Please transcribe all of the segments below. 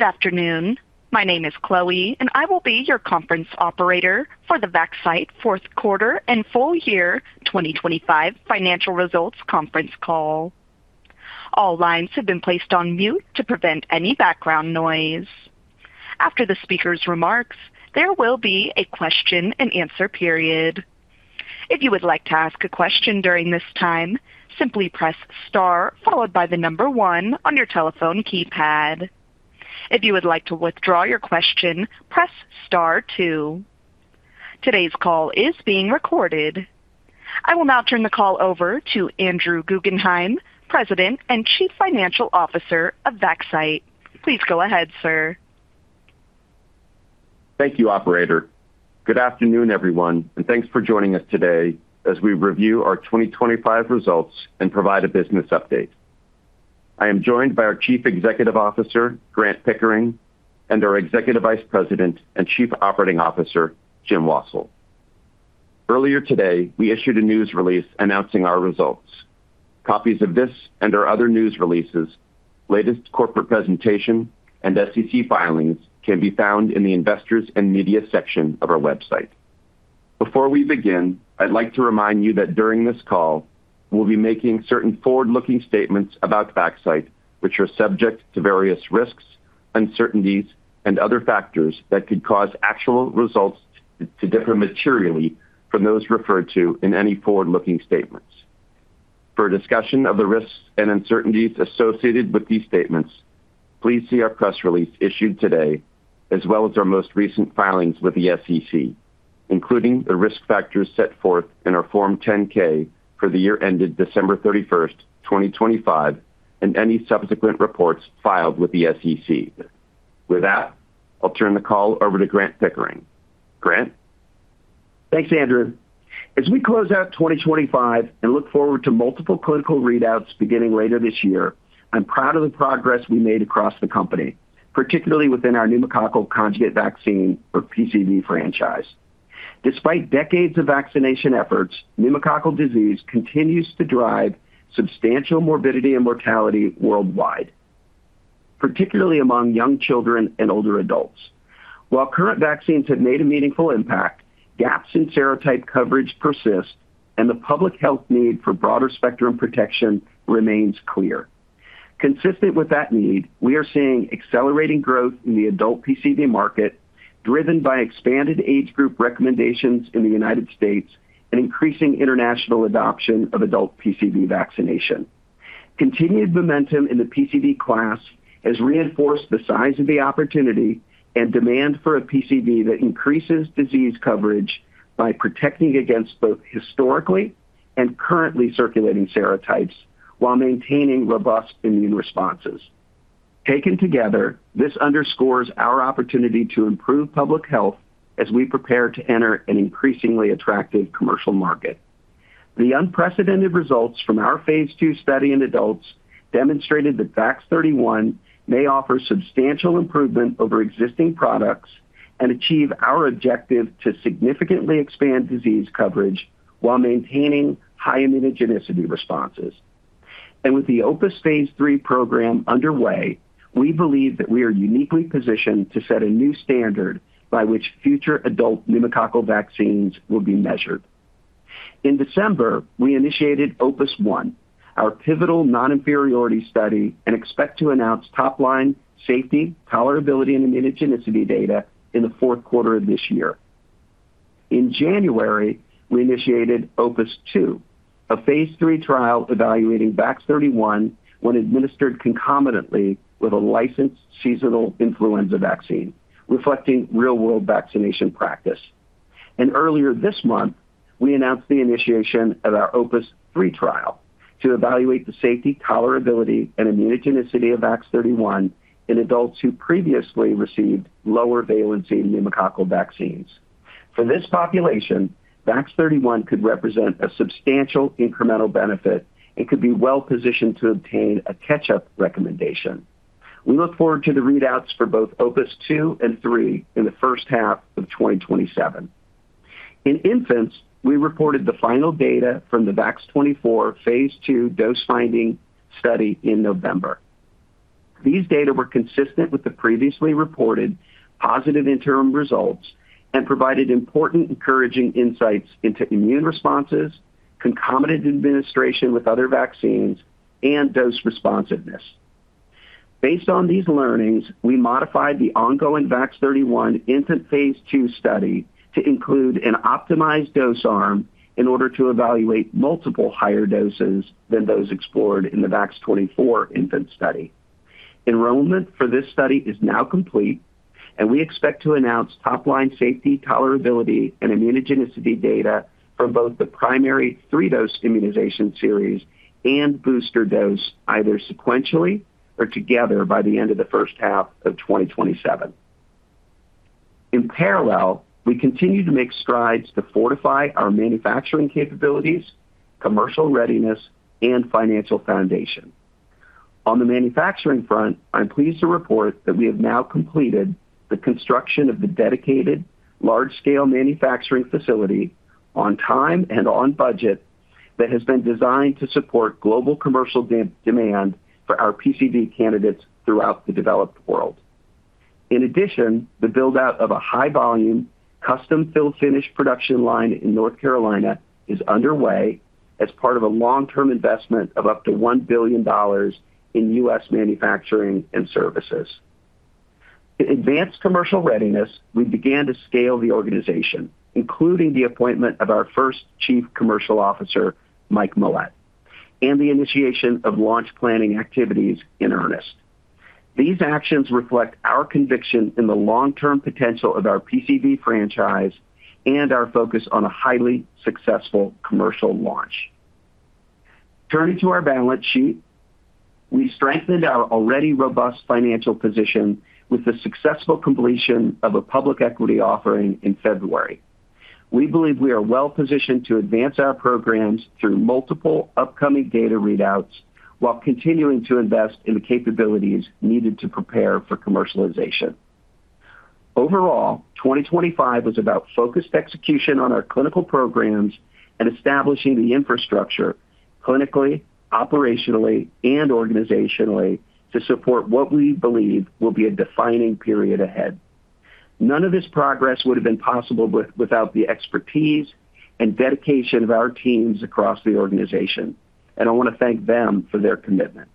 Good afternoon. My name is Chloe. I will be your conference operator for the Vaxcyte fourth quarter and full year 2025 financial results conference call. All lines have been placed on mute to prevent any background noise. After the speaker's remarks, there will be a question-and-answer period. If you would like to ask a question during this time, simply press star followed by one on your telephone keypad. If you would like to withdraw your question, Press Star two. Today's call is being recorded. I will now turn the call over to Andrew Guggenhime, President and Chief Financial Officer of Vaxcyte. Please go ahead, sir. Thank you, operator. Good afternoon, everyone, thanks for joining us today as we review our 2025 results and provide a business update. I am joined by our Chief Executive Officer, Grant Pickering, and our Executive Vice President and Chief Operating Officer, Jim Wassil. Earlier today, we issued a news release announcing our results. Copies of this and our other news releases, latest corporate presentation, and SEC filings can be found in the Investors and Media section of our website. Before we begin, I'd like to remind you that during this call, we'll be making certain forward-looking statements about Vaxcyte, which are subject to various risks, uncertainties, and other factors that could cause actual results to differ materially from those referred to in any forward-looking statements. For a discussion of the risks and uncertainties associated with these statements, please see our press release issued today, as well as our most recent filings with the SEC, including the risk factors set forth in our Form 10-K for the year ended December 31st, 2025, and any subsequent reports filed with the SEC. With that, I'll turn the call over to Grant Pickering. Grant? Thanks, Andrew. As we close out 2025 and look forward to multiple clinical readouts beginning later this year, I'm proud of the progress we made across the company, particularly within our Pneumococcal Conjugate Vaccine or PCV franchise. Despite decades of vaccination efforts, pneumococcal disease continues to drive substantial morbidity and mortality worldwide, particularly among young children and older adults. While current vaccines have made a meaningful impact, gaps in serotype coverage persist, the public health need for broader spectrum protection remains clear. Consistent with that need, we are seeing accelerating growth in the adult PCV market, driven by expanded age group recommendations in the United States and increasing international adoption of adult PCV vaccination. Continued momentum in the PCV class has reinforced the size of the opportunity and demand for a PCV that increases disease coverage by protecting against both historically and currently circulating serotypes while maintaining robust immune responses. Taken together, this underscores our opportunity to improve public health as we prepare to enter an increasingly attractive commercial market. The unprecedented results from our phase II study in adults demonstrated that VAX-31 may offer substantial improvement over existing products and achieve our objective to significantly expand disease coverage while maintaining high immunogenicity responses. With the OPUS phase III program underway, we believe that we are uniquely positioned to set a new standard by which future adult pneumococcal vaccines will be measured. In December, we initiated OPUS-1, our pivotal non-inferiority study, and expect to announce top-line safety, tolerability, and immunogenicity data in the fourth quarter of this year. In January, we initiated OPUS-2, a phase III trial evaluating VAX-31 when administered concomitantly with a licensed seasonal influenza vaccine, reflecting real-world vaccination practice. Earlier this month, we announced the initiation of our OPUS-3 trial to evaluate the safety, tolerability, and immunogenicity of VAX-31 in adults who previously received lower valency pneumococcal vaccines. For this population, VAX-31 could represent a substantial incremental benefit and could be well positioned to obtain a catch-up recommendation. We look forward to the readouts for both OPUS-2 and 3 in the first half of 2027. In infants, we reported the final data from the VAX-24 phase II dose-finding study in November. These data were consistent with the previously reported positive interim results and provided important encouraging insights into immune responses, concomitant administration with other vaccines, and dose responsiveness. Based on these learnings, we modified the ongoing VAX-31 infant phase II study to include an optimized dose arm in order to evaluate multiple higher doses than those explored in the VAX-24 infant study. Enrollment for this study is now complete, and we expect to announce top-line safety, tolerability, and immunogenicity data for both the primary 3-dose immunization series and booster dose, either sequentially or together, by the end of the first half of 2027. In parallel, we continue to make strides to fortify our manufacturing capabilities, commercial readiness, and financial foundation. On the manufacturing front, I'm pleased to report that we have now completed the construction of the dedicated large-scale manufacturing facility on time and on budget. That has been designed to support global commercial demand for our PCV candidates throughout the developed world. In addition, the build-out of a high-volume, custom fill-finish production line in North Carolina is underway as part of a long-term investment of up to $1 billion in U.S. manufacturing and services. To advance commercial readiness, we began to scale the organization, including the appointment of our first Chief Commercial Officer, Mike Miletich, and the initiation of launch planning activities in earnest. These actions reflect our conviction in the long-term potential of our PCV franchise and our focus on a highly successful commercial launch. Turning to our balance sheet, we strengthened our already robust financial position with the successful completion of a public equity offering in February. We believe we are well-positioned to advance our programs through multiple upcoming data readouts while continuing to invest in the capabilities needed to prepare for commercialization. Overall, 2025 was about focused execution on our clinical programs and establishing the infrastructure clinically, operationally, and organizationally to support what we believe will be a defining period ahead. None of this progress would have been possible without the expertise and dedication of our teams across the organization, and I want to thank them for their commitment.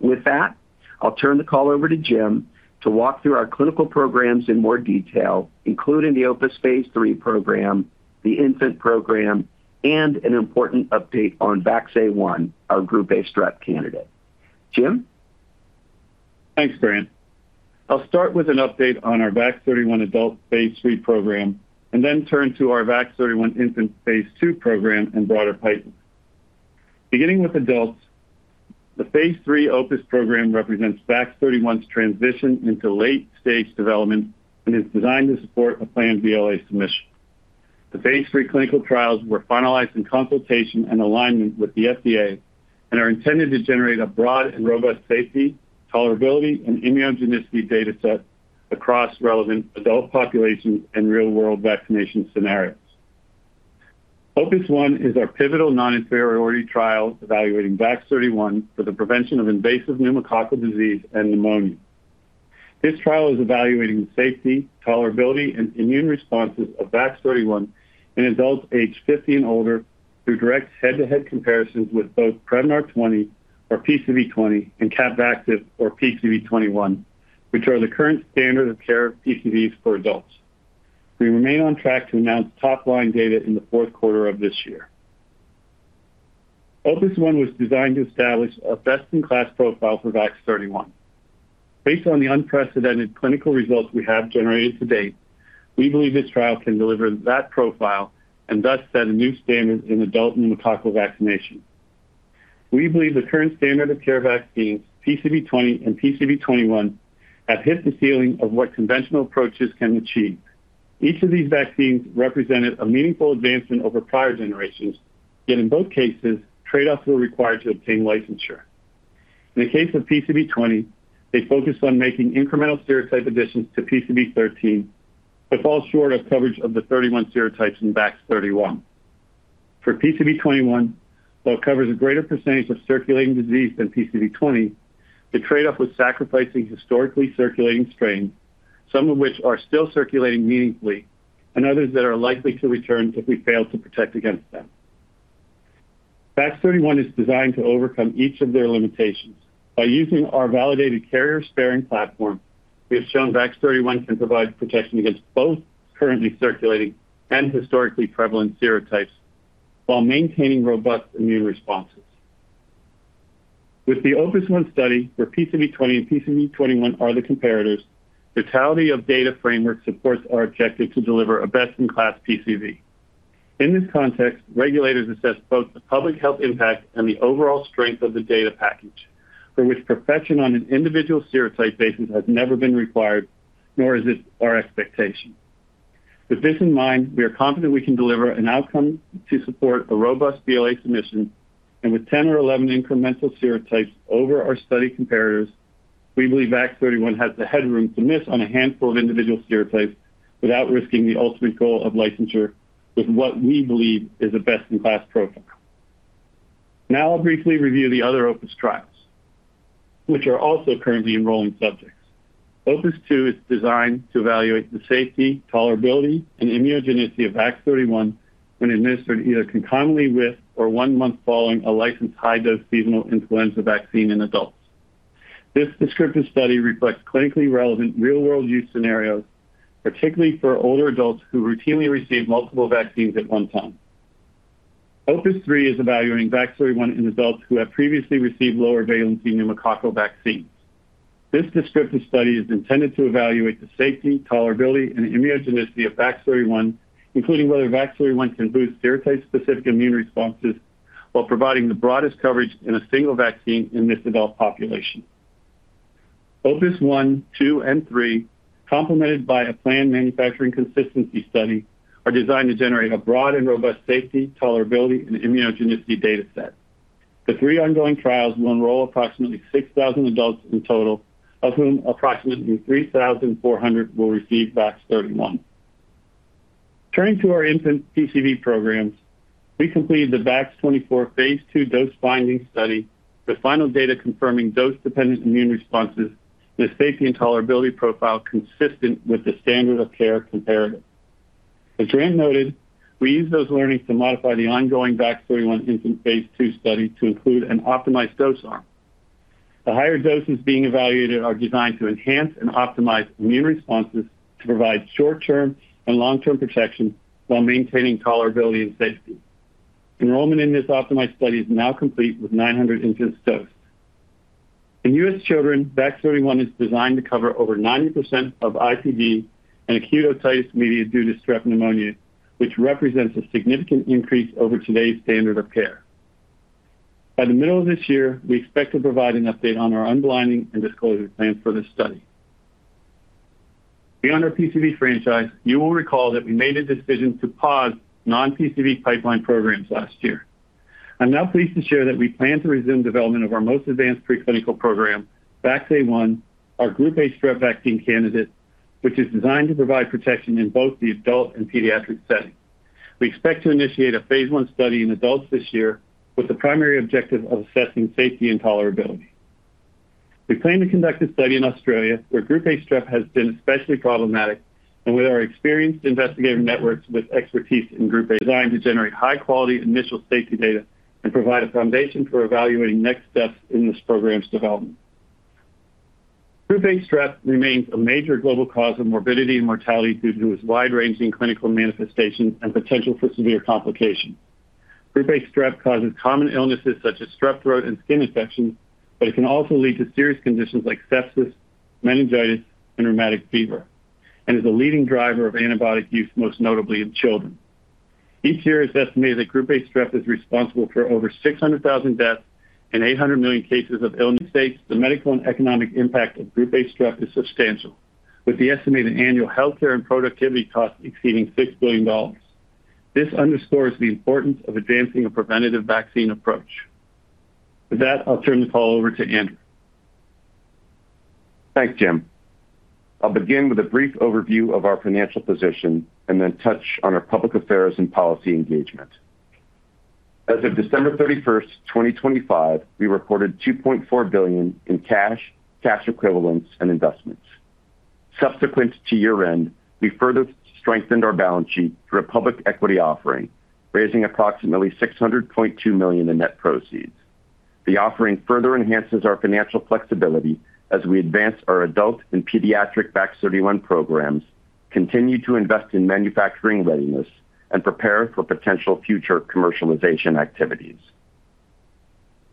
With that, I'll turn the call over to Jim to walk through our clinical programs in more detail, including the OPUS phase III program, the infant program, and an important update on VAX-A1, our Group A Strep candidate. Jim? Thanks, Grant. I'll start with an update on our VAX-31 adult phase III program. Then turn to our VAX-31 infant phase II program and broader piping. Beginning with adults, the phase III OPUS program represents VAX-31's transition into late-stage development and is designed to support a planned BLA submission. The phase III clinical trials were finalized in consultation and alignment with the FDA and are intended to generate a broad and robust safety, tolerability, and immunogenicity data set across relevant adult populations and real-world vaccination scenarios. OPUS-1 is our pivotal non-inferiority trial evaluating VAX-31 for the prevention of invasive pneumococcal disease and pneumonia. This trial is evaluating the safety, tolerability, and immune responses of VAX-31 in adults aged 50 and older, through direct head-to-head comparisons with both Prevnar 20, or PCV20, and Quadaxix, or PCV21, which are the current standard of care PCVs for adults. We remain on track to announce top-line data in the fourth quarter of this year. OPUS-1 was designed to establish a best-in-class profile for VAX-31. Based on the unprecedented clinical results we have generated to date, we believe this trial can deliver that profile and thus set a new standard in adult pneumococcal vaccination. We believe the current standard of care vaccines, PCV20 and PCV21, have hit the ceiling of what conventional approaches can achieve. Each of these vaccines represented a meaningful advancement over prior generations, yet in both cases, trade-offs were required to obtain licensure. In the case of PCV20, they focused on making incremental serotype additions to PCV13 but fall short of coverage of the 31 serotypes in VAX-31. For PCV21, while it covers a greater % of circulating disease than PCV20, the trade-off was sacrificing historically circulating strains, some of which are still circulating meaningfully and others that are likely to return if we fail to protect against them. VAX-31 is designed to overcome each of their limitations. By using our validated carrier-sparing platform, we have shown VAX-31 can provide protection against both currently circulating and historically prevalent serotypes while maintaining robust immune responses. With the OPUS-1 study, where PCV20 and PCV21 are the comparators, the totality of data framework supports our objective to deliver a best-in-class PCV. In this context, regulators assess both the public health impact and the overall strength of the data package, for which perfection on an individual serotype basis has never been required, nor is it our expectation. With this in mind, we are confident we can deliver an outcome to support a robust BLA submission, and with 10 or 11 incremental serotypes over our study comparators, we believe VAX-31 has the headroom to miss on a handful of individual serotypes without risking the ultimate goal of licensure with what we believe is a best-in-class profile. Now I'll briefly review the other OPUS trials, which are also currently enrolling subjects. OPUS-2 is designed to evaluate the safety, tolerability, and immunogenicity of VAX-31 when administered either concurrently with or one month following a licensed high-dose seasonal influenza vaccine in adults. This descriptive study reflects clinically relevant real-world use scenarios, particularly for older adults who routinely receive multiple vaccines at one time. OPUS-3 is evaluating VAX-31 in adults who have previously received low-valency pneumococcal vaccines. This descriptive study is intended to evaluate the safety, tolerability, and immunogenicity of VAX-31, including whether VAX-31 can boost serotype-specific immune responses while providing the broadest coverage in a single vaccine in this adult population. OPUS-1, -2, and -3, complemented by a planned manufacturing consistency study, are designed to generate a broad and robust safety, tolerability, and immunogenicity data set. The three ongoing trials will enroll approximately 6,000 adults in total, of whom approximately 3,400 will receive VAX-31. Turning to our infant PCV programs, we completed the VAX-24 phase II dose-finding study, with final data confirming dose-dependent immune responses with a safety and tolerability profile consistent with the standard of care comparative. As Anne noted, we used those learnings to modify the ongoing VAX-31 infant phase II study to include an optimized dose arm. The higher doses being evaluated are designed to enhance and optimize immune responses to provide short-term and long-term protection while maintaining tolerability and safety. Enrollment in this optimized study is now complete with 900 infants dosed. In US children, VAX-31 is designed to cover over 90% of IPD and acute otitis media due to Streptococcus pneumoniae, which represents a significant increase over today's standard of care. By the middle of this year, we expect to provide an update on our unblinding and disclosure plans for this study. Beyond our PCV franchise, you will recall that we made a decision to pause non-PCV pipeline programs last year. I'm now pleased to share that we plan to resume development of our most advanced preclinical program, VAX-A1, our Group A Strep vaccine candidate, which is designed to provide protection in both the adult and pediatric settings. We expect to initiate a Phase 1 study in adults this year, with the primary objective of assessing safety and tolerability. We plan to conduct a study in Australia, where Group A Strep has been especially problematic, and with our experienced investigative networks with expertise in Group A, designed to generate high-quality initial safety data and provide a foundation for evaluating next steps in this program's development. Group A Strep remains a major global cause of morbidity and mortality due to its wide-ranging clinical manifestations and potential for severe complications. Group A Strep causes common illnesses such as strep throat and skin infections, but it can also lead to serious conditions like sepsis, meningitis, and rheumatic fever, and is a leading driver of antibiotic use, most notably in children. Each year, it's estimated that Group A Strep is responsible for over 600,000 deaths and 800 million cases of illness. States, the medical and economic impact of Group A Strep is substantial, with the estimated annual healthcare and productivity costs exceeding $6 billion. This underscores the importance of advancing a preventative vaccine approach. With that, I'll turn the call over to Andrew. Thanks, Jim. I'll begin with a brief overview of our financial position and then touch on our public affairs and policy engagement. As of 31st December, 2025, we reported $2.4 billion in cash equivalents, and investments. Subsequent to year-end, we further strengthened our balance sheet through a public equity offering, raising approximately $600.2 million in net proceeds. The offering further enhances our financial flexibility as we advance our adult and pediatric VAX-31 programs, continue to invest in manufacturing readiness, and prepare for potential future commercialization activities.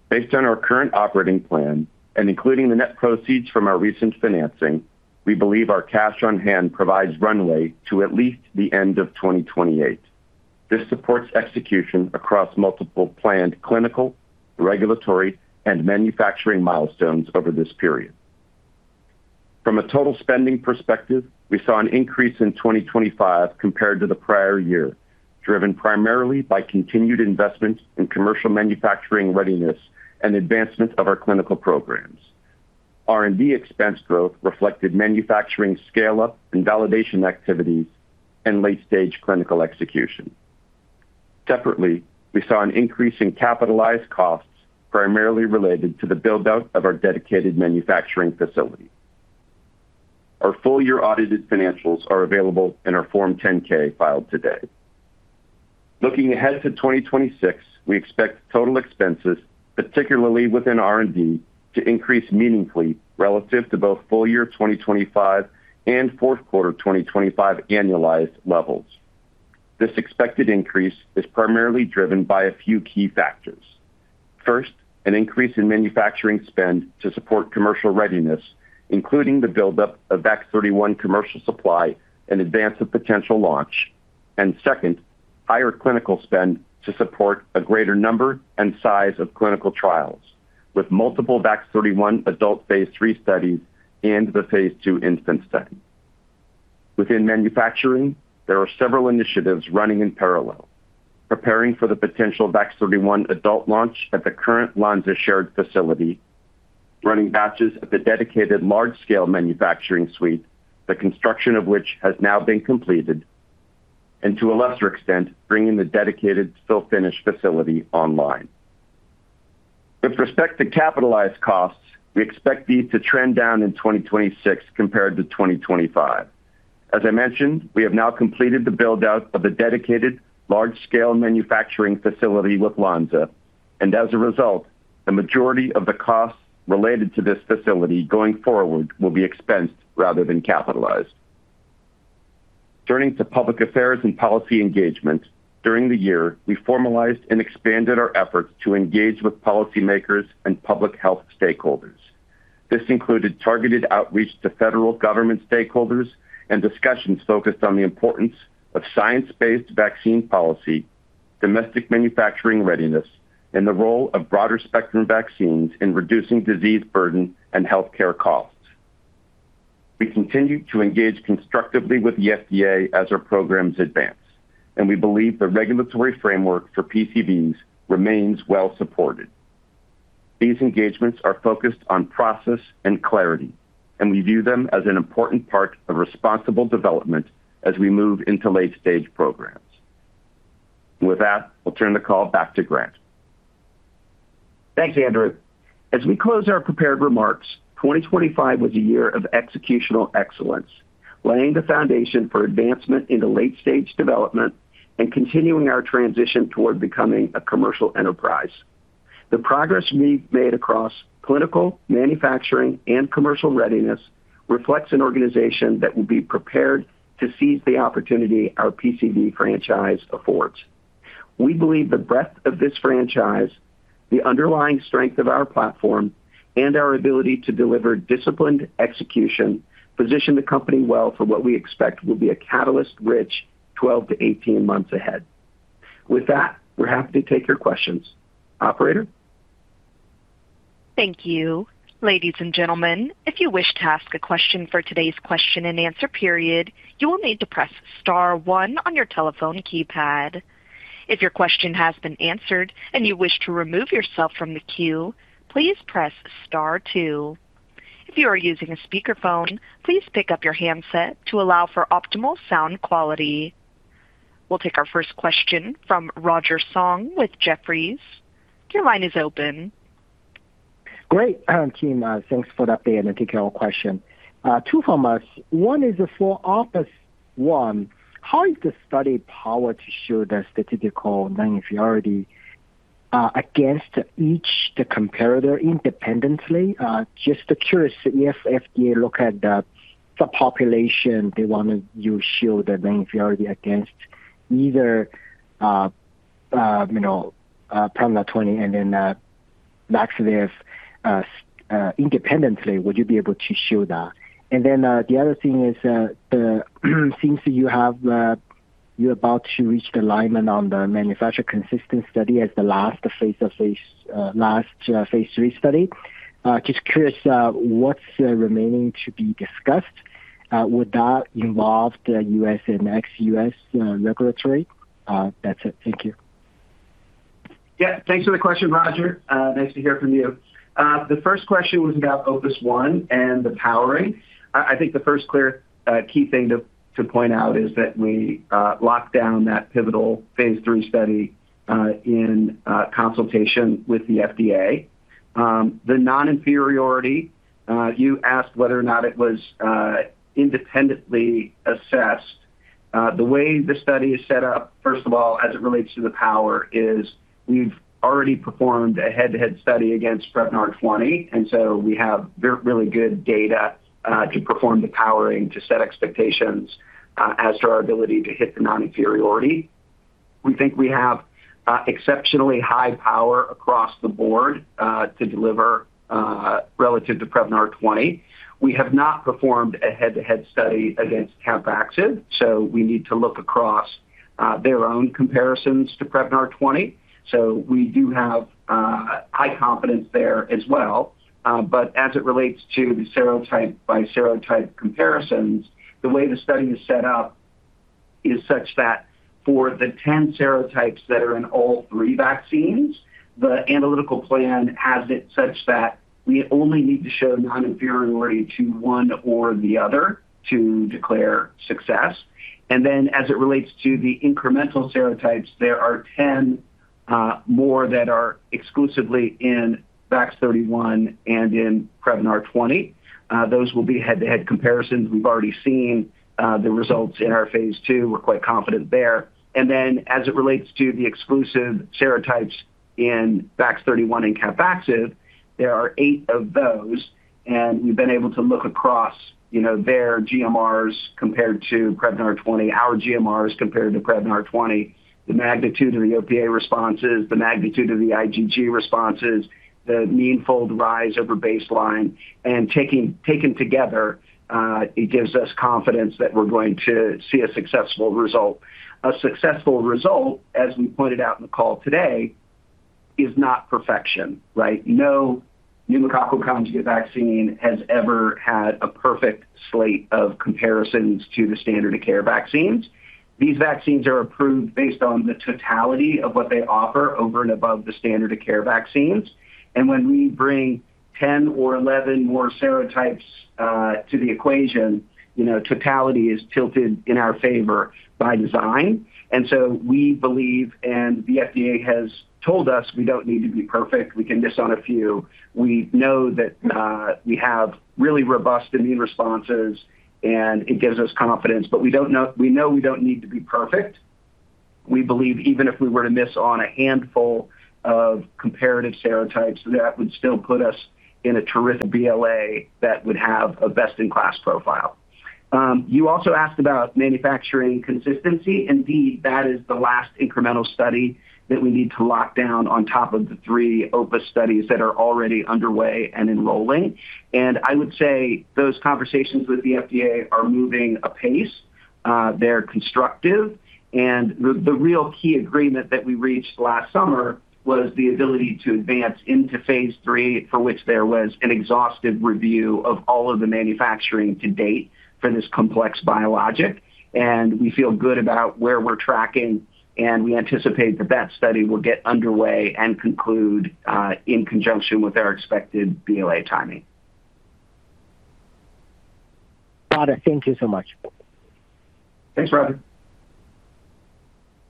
Based on our current operating plan and including the net proceeds from our recent financing, we believe our cash on hand provides runway to at least the end of 2028. This supports execution across multiple planned clinical, regulatory, and manufacturing milestones over this period. From a total spending perspective, we saw an increase in 2025 compared to the prior year, driven primarily by continued investments in commercial manufacturing readiness and advancement of our clinical programs. R&D expense growth reflected manufacturing scale-up and validation activities and late-stage clinical execution. Separately, we saw an increase in capitalized costs, primarily related to the build-out of our dedicated manufacturing facility. Our full-year audited financials are available in our Form 10-K filed today. Looking ahead to 2026, we expect total expenses, particularly within R&D, to increase meaningfully relative to both full year 2025 and fourth quarter 2025 annualized levels. This expected increase is primarily driven by a few key factors. First, an increase in manufacturing spend to support commercial readiness, including the buildup of VAX-31 commercial supply in advance of potential launch. Second, higher clinical spend to support a greater number and size of clinical trials, with multiple VAX-31 adult phase III studies and the phase II infant study. Within manufacturing, there are several initiatives running in parallel, preparing for the potential VAX-31 adult launch at the current Lonza shared facility, running batches at the dedicated large-scale manufacturing suite, the construction of which has now been completed, and to a lesser extent, bringing the dedicated fill finish facility online. With respect to capitalized costs, we expect these to trend down in 2026 compared to 2025. As I mentioned, we have now completed the build-out of a dedicated large-scale manufacturing facility with Lonza, as a result, the majority of the costs related to this facility going forward will be expensed rather than capitalized. Turning to public affairs and policy engagement, during the year, we formalized and expanded our efforts to engage with policymakers and public health stakeholders. This included targeted outreach to federal government stakeholders and discussions focused on the importance of science-based vaccine policy, domestic manufacturing readiness, and the role of broader spectrum vaccines in reducing disease burden and healthcare costs. We continue to engage constructively with the FDA as our programs advance. We believe the regulatory framework for PCVs remains well supported. These engagements are focused on process and clarity. We view them as an important part of responsible development as we move into late-stage programs. With that, I'll turn the call back to Grant. Thanks, Andrew. As we close our prepared remarks, 2025 was a year of executional excellence, laying the foundation for advancement into late-stage development and continuing our transition toward becoming a commercial enterprise. The progress we've made across clinical, manufacturing, and commercial readiness reflects an organization that will be prepared to seize the opportunity our PCV franchise affords. We believe the breadth of this franchise, the underlying strength of our platform, and our ability to deliver disciplined execution, position the company well for what we expect will be a catalyst-rich 12-18 months ahead. With that, we're happy to take your questions. Operator? Thank you. Ladies and gentlemen, if you wish to ask a question for today's question-and-answer period, you will need to press star one on your telephone keypad. If your question has been answered and you wish to remove yourself from the queue, please press star two. If you are using a speakerphone, please pick up your handset to allow for optimal sound quality. We'll take our first question from Roger Song with Jefferies. Your line is open. Great team. Thanks for the update. I take your question. Two from us. One is for OPUS-1, how is the study power to show the statistical non-inferiority, against each the comparator independently? Just curious if FDA look at the subpopulation they want to you show the non-inferiority against either, you know, Prevnar 20 then, Capvaxive independently, would you be able to show that? Then, the other thing is, the seems you have, you're about to reach the alignment on the manufacturing consistency study as the last phase III study. Just curious, what's remaining to be discussed? Would that involve the U.S. and ex-U.S. regulatory? That's it. Thank you. Yeah, thanks for the question, Roger. Nice to hear from you. The first question was about OPUS-1 and the powering. I think the first clear, key thing to point out is that we locked down that pivotal phase III study in consultation with the FDA. The non-inferiority, you asked whether or not it was independently assessed. The way the study is set up, first of all, as it relates to the power, is we've already performed a head-to-head study against Prevnar 20, and so we have very really good data to perform the powering, to set expectations as to our ability to hit the non-inferiority. We think we have exceptionally high power across the board to deliver relative to Prevnar 20. We have not performed a head-to-head study against Capvaxive, so we need to look across their own comparisons to Prevnar 20. We do have high confidence there as well. As it relates to the serotype by serotype comparisons, the way the study is set up is such that for the 10 serotypes that are in all three vaccines, the analytical plan has it such that we only need to show non-inferiority to one or the other to declare success. As it relates to the incremental serotypes, there are 10 more that are exclusively in VAX-31 and in Prevnar 20. Those will be head-to-head comparisons. We've already seen the results in our phase II. We're quite confident there. As it relates to the exclusive serotypes in VAX-31 and Capvaxive, there are eight of those, and we've been able to look across, you know, their GMRs compared to Prevnar 20, our GMRs compared to Prevnar 20, the magnitude of the OPA responses, the magnitude of the IgG responses, the mean fold rise over baseline, and taken together, it gives us confidence that we're going to see a successful result. A successful result, as we pointed out in the call today, is not perfection, right? No pneumococcal conjugate vaccine has ever had a perfect slate of comparisons to the standard of care vaccines. These vaccines are approved based on the totality of what they offer over and above the standard of care vaccines. And when we bring 10 or 11 more serotypes to the equation, you know, totality is tilted in our favor by design. We believe, and the FDA has told us we don't need to be perfect. We can miss on a few. We know that, we have really robust immune responses, and it gives us confidence, but we know we don't need to be perfect. We believe even if we were to miss on a handful of comparative serotypes, that would still put us in a terrific BLA that would have a best-in-class profile. You also asked about manufacturing consistency. Indeed, that is the last incremental study that we need to lock down on top of the three OPUS studies that are already underway and enrolling. I would say those conversations with the FDA are moving apace, they're constructive. The real key agreement that we reached last summer was the ability to advance into phase III, for which there was an exhaustive review of all of the manufacturing to date for this complex biologic. We feel good about where we're tracking, and we anticipate the VET study will get underway and conclude in conjunction with our expected BLA timing. Got it. Thank you so much. Thanks, Robin.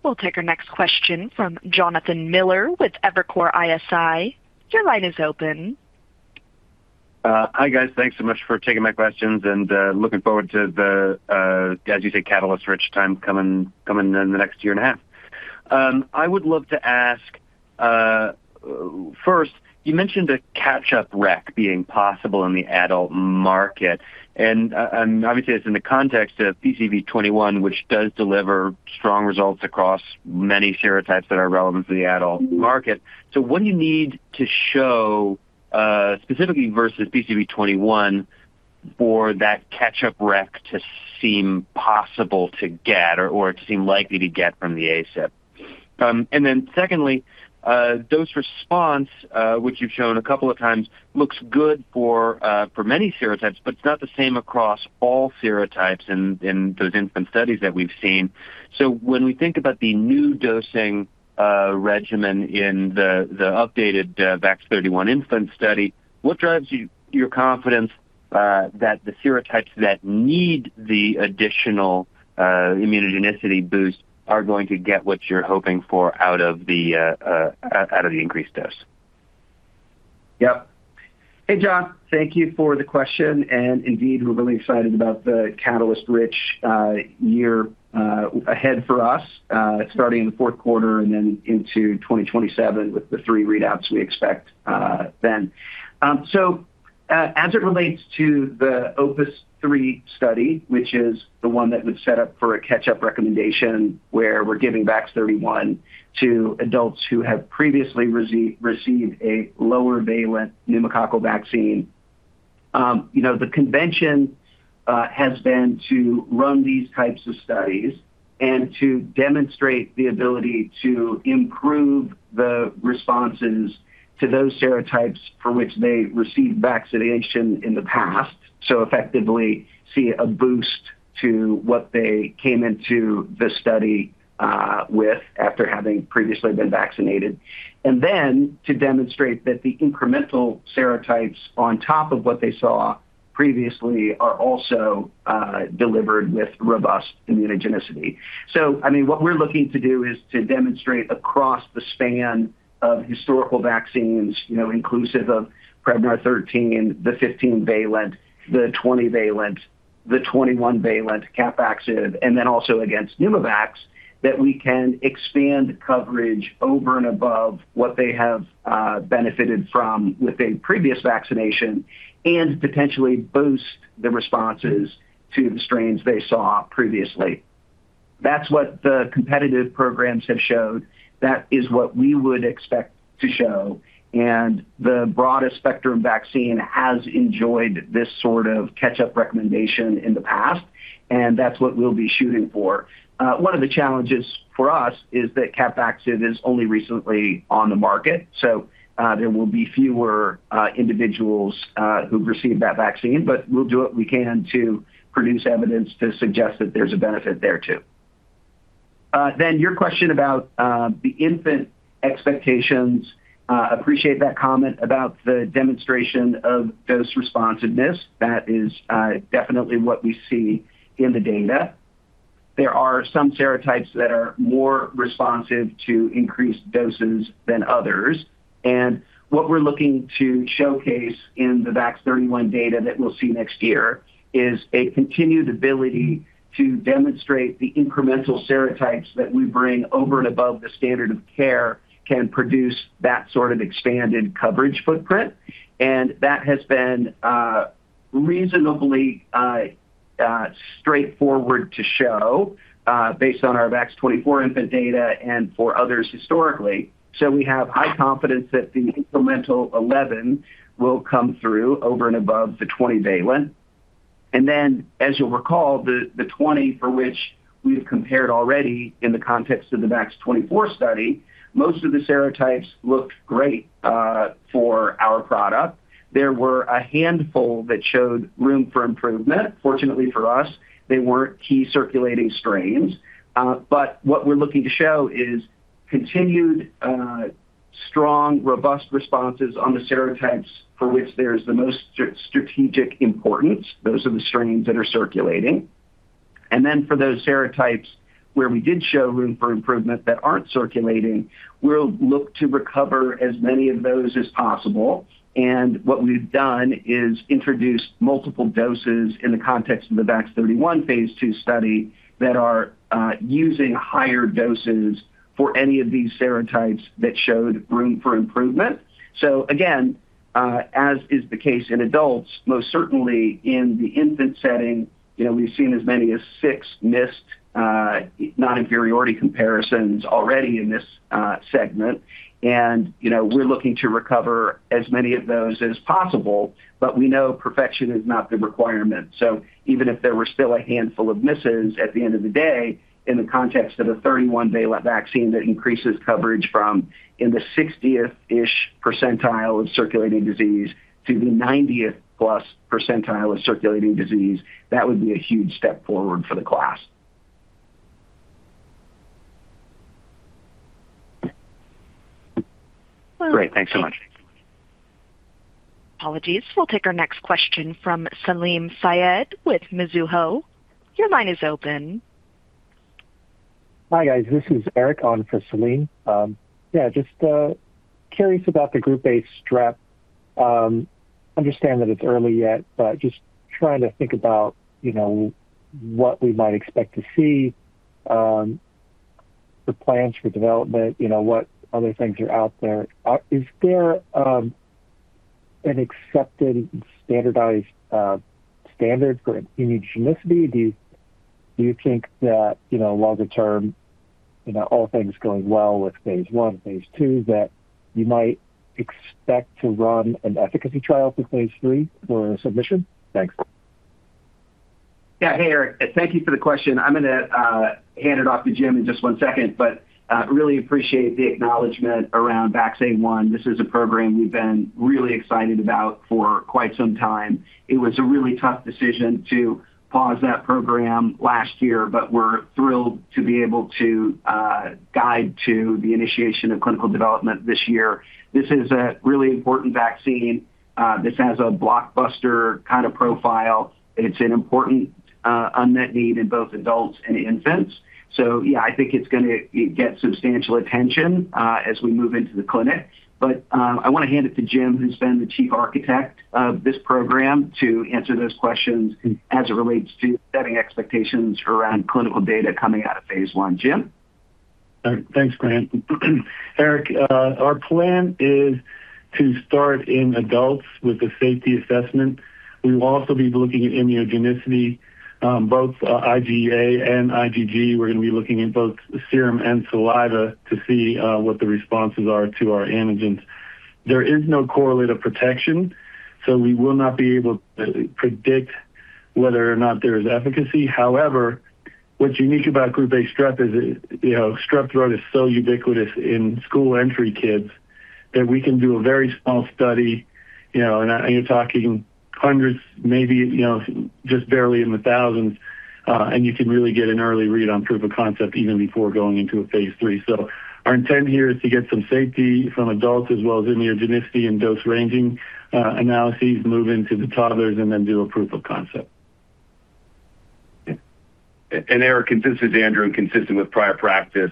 We'll take our next question from Jonathan Miller with Evercore ISI. Your line is open. Hi, guys. Thanks so much for taking my questions. Looking forward to the as you say, catalyst-rich time coming in the next year and a half. I would love to ask first, you mentioned a catch-up rec being possible in the adult market, and obviously that's in the context of PCV21, which does deliver strong results across many serotypes that are relevant to the adult market. What do you need to show specifically versus PCV21 for that catch-up rec to seem possible to get or it seem likely to get from the ACIP? Secondly, dose response, which you've shown a couple of times, looks good for many serotypes, but it's not the same across all serotypes in those infant studies that we've seen. When we think about the new dosing regimen in the updated VAX-31 infant study, what drives your confidence that the serotypes that need the additional immunogenicity boost are going to get what you're hoping for out of the increased dose? Yep. Hey, John, thank you for the question, and indeed, we're really excited about the catalyst-rich year ahead for us, starting in the fourth quarter and then into 2027 with the three readouts we expect. As it relates to the OPUS-3 study, which is the one that would set up for a catch-up recommendation, where we're giving VAX-31 to adults who have previously received a lower valent pneumococcal vaccine. You know, the convention has been to run these types of studies and to demonstrate the ability to improve the responses to those serotypes for which they received vaccination in the past, so effectively see a boost to what they came into the study with after having previously been vaccinated. To demonstrate that the incremental serotypes on top of what they saw previously are also delivered with robust immunogenicity. I mean, what we're looking to do is to demonstrate across the span of historical vaccines, you know, inclusive of Prevnar 13, the 15-valent, the 20-valent, the 21-valent Capvaxive, also against Pneumovax, that we can expand coverage over and above what they have benefited from with a previous vaccination and potentially boost the responses to the strains they saw previously. That's what the competitive programs have showed. That is what we would expect to show, the broadest spectrum vaccine has enjoyed this sort of catch-up recommendation in the past, and that's what we'll be shooting for. One of the challenges for us is that Capvaxive is only recently on the market, there will be fewer individuals who've received that vaccine, but we'll do what we can to produce evidence to suggest that there's a benefit there, too. Your question about the infant expectations, appreciate that comment about the demonstration of dose responsiveness. That is definitely what we see in the data. There are some serotypes that are more responsive to increased doses than others. What we're looking to showcase in the VAX-31 data that we'll see next year is a continued ability to demonstrate the incremental serotypes that we bring over and above the standard of care can produce that sort of expanded coverage footprint. That has been reasonably straightforward to show based on our VAX-24 infant data and for others historically. We have high confidence that the incremental 11 will come through over and above the 20 valent. As you'll recall, the 20 for which we have compared already in the context of the VAX-24 study, most of the serotypes looked great for our product. There were a handful that showed room for improvement. Fortunately for us, they weren't key circulating strains. But what we're looking to show is continued strong, robust responses on the serotypes for which there's the most strategic importance. Those are the strains that are circulating. For those serotypes where we did show room for improvement that aren't circulating, we'll look to recover as many of those as possible. What we've done is introduced multiple doses in the context of the VAX-31 phase II study that are using higher doses for any of these serotypes that showed room for improvement. Again, as is the case in adults, most certainly in the infant setting, you know, we've seen as many as six missed non-inferiority comparisons already in this segment. You know, we're looking to recover as many of those as possible, but we know perfection is not the requirement. Even if there were still a handful of misses at the end of the day, in the context of a 31-valent vaccine that increases coverage from in the 60th-ish percentile of circulating disease to the 90th-plus percentile of circulating disease, that would be a huge step forward for the class. Great, thanks so much. Apologies. We'll take our next question from Salim Syed with Mizuho. Your line is open. Hi, guys. This is Eric on for Salim. Yeah, just curious about the Group A Streptococcus. Understand that it's early yet, but just trying to think about, you know, what we might expect to see, the plans for development, you know, what other things are out there. Is there an accepted standardized standard for immunogenicity? Do you think that, you know, longer term, you know, all things going well with phase one, phase two, that you might expect to run an efficacy trial for phase three for submission? Thanks. Yeah. Hey, Eric, thank you for the question. I'm going to hand it off to Jim in just 1 second, really appreciate the acknowledgment around VAX-A1. This is a program we've been really excited about for quite some time. It was a really tough decision to pause that program last year, but we're thrilled to be able to guide to the initiation of clinical development this year. This is a really important vaccine. This has a blockbuster kind of profile, and it's an important unmet need in both adults and infants. Yeah, I think it's going to get substantial attention as we move into the clinic. I want to hand it to Jim, who's been the chief architect of this program, to answer those questions as it relates to setting expectations around clinical data coming out of phase 1. Jim? Thanks, Grant. Eric, our plan is to start in adults with a safety assessment. We will also be looking at immunogenicity, both IGA and IgG. We're going to be looking in both serum and saliva to see what the responses are to our antigens. There is no correlate of protection. We will not be able to predict whether or not there is efficacy. However, what's unique about Group A Streptococcus is that, you know, strep throat is so ubiquitous in school-entry kids that we can do a very small study, you know, and you're talking hundreds, maybe, you know, just barely in the thousands, and you can really get an early read on proof of concept even before going into a phase III. Our intent here is to get some safety from adults as well as immunogenicity and dose ranging analyses, move into the toddlers, and then do a proof of concept. Eric, consistent with Andrew and consistent with prior practice,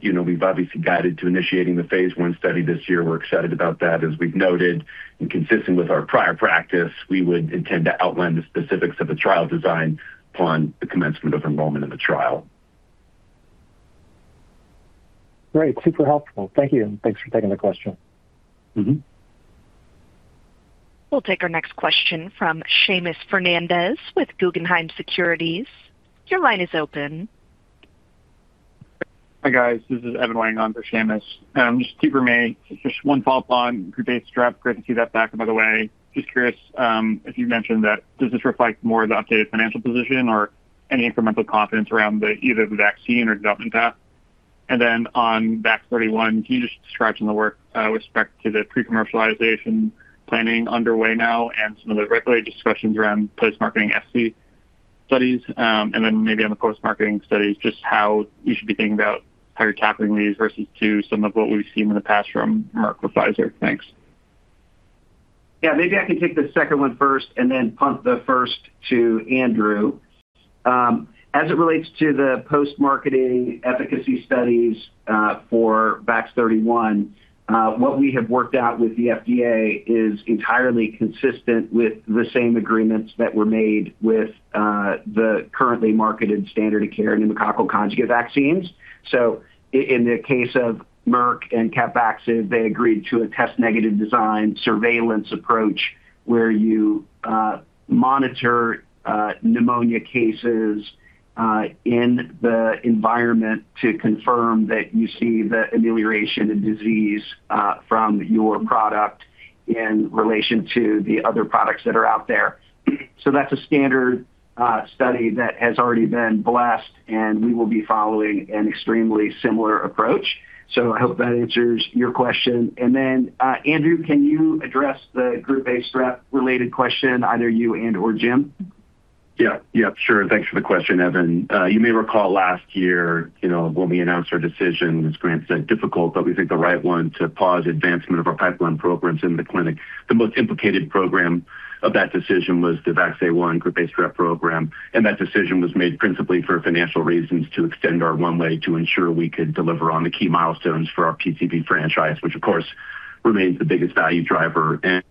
you know, we've obviously guided to initiating the phase I study this year. We're excited about that. As we've noted, consistent with our prior practice, we would intend to outline the specifics of the trial design upon the commencement of enrollment in the trial. Great. Super helpful. Thank you. Thanks for taking the question. Mm-hmm. We'll take our next question from Seamus Fernandez with Guggenheim Securities. Your line is open. Hi, guys. This is Evan Wang on for Seamus. Just one follow-up on Group A strep. Great to see that back, by the way. Just curious, as you mentioned that, does this reflect more of the updated financial position or any incremental confidence around the, either the vaccine or development path? On VAX-31, can you just describe some of the work with respect to the pre-commercialization planning underway now and some of the regulatory discussions around post-marketing FC studies? Maybe on the post-marketing studies, just how you should be thinking about how you're tackling these versus to some of what we've seen in the past from Merck or Pfizer. Thanks. Maybe I can take the second one first and then punt the first to Andrew. As it relates to the post-marketing efficacy studies for VAX-31, what we have worked out with the FDA is entirely consistent with the same agreements that were made with the currently marketed standard of care in pneumococcal conjugate vaccines. In the case of Merck and Capvaxive, they agreed to a test-negative design surveillance approach, where you monitor pneumonia cases in the environment to confirm that you see the amelioration of disease from your product in relation to the other products that are out there. That's a standard study that has already been blessed, and we will be following an extremely similar approach. I hope that answers your question. Andrew, can you address the Group A Strep-related question, either you and/or Jim? Yeah. Yeah, sure. Thanks for the question, Evan. You may recall last year, you know, when we announced our decision, as Grant said, difficult, but we think the right one to pause advancement of our pipeline programs in the clinic. The most implicated program of that decision was the VAX-A1, Group A Streptococcus program. That decision was made principally for financial reasons, to extend our runway to ensure we could deliver on the key milestones for our PCV franchise, which of course remains the biggest value driver.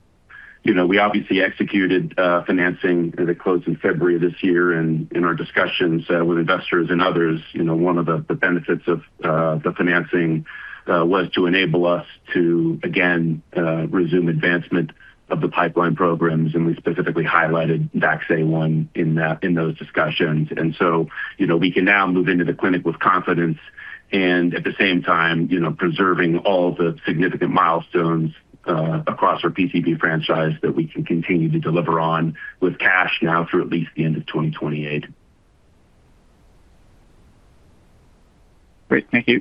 You know, we obviously executed financing that closed in February this year. In our discussions with investors and others, you know, one of the benefits of the financing was to enable us to again resume advancement of the pipeline programs, and we specifically highlighted VAX-A1 in that, in those discussions. You know, we can now move into the clinic with confidence and at the same time, you know, preserving all the significant milestones across our PCV franchise that we can continue to deliver on with cash now through at least the end of 2028. Great. Thank you.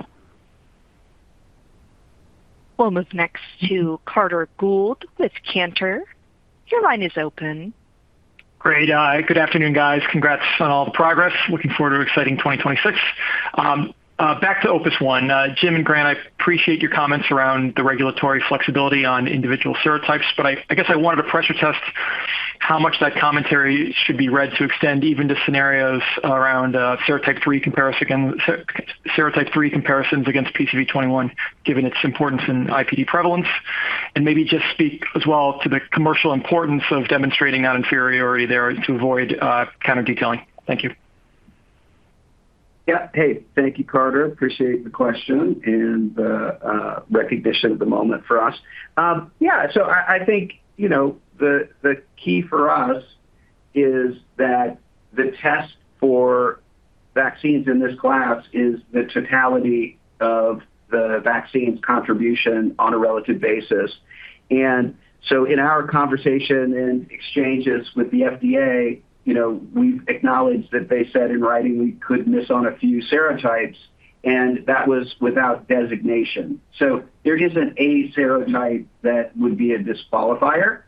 We'll move next to Carter Gould with Cantor. Your line is open. Great. Good afternoon, guys. Congrats on all the progress. Looking forward to exciting 2026. Back to OPUS-1. Jim and Grant, I appreciate your comments around the regulatory flexibility on individual serotypes, but I guess I wanted to pressure test how much that commentary should be read to extend even to scenarios around serotype 3 comparison against serotype 3 comparisons against PCV21, given its importance in IPD prevalence. Maybe just speak as well to the commercial importance of demonstrating that inferiority there to avoid counter detailing. Thank you. Yeah. Hey, thank you, Carter. Appreciate the question and the recognition of the moment for us. Yeah, so I think, you know, the key for us is that the test for vaccines in this class is the totality of the vaccine's contribution on a relative basis. In our conversation and exchanges with the FDA, you know, we've acknowledged that they said in writing we could miss on a few serotypes, and that was without designation. There isn't a serotype that would be a disqualifier.